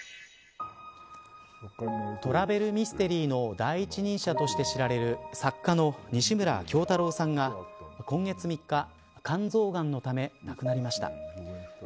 トラベルミステリーの第一人者として知られる作家の西村京太郎さんが今月３日肝臓がんのため亡くなりました。